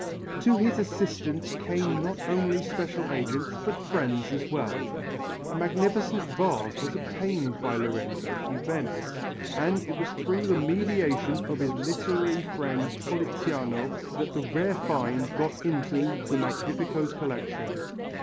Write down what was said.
To his assistance came not only special agents, but friends as well. A magnificent vase was obtained by Lorenzo from Venice, and it was through the mediation of his literary friend Politiano that the rare find got into the Magnifico's collection.